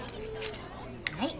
はい。